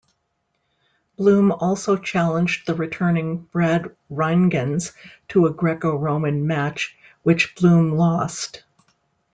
Bloom also challenged the returning Brad Rheingans to a Greco-Roman match which Bloom lost.